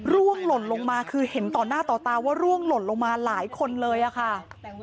ร่วงหล่นลงมาคือเห็นต่อหน้าต่อตาว่าร่วงหล่นลงมาหลายคนเลยอะค่ะ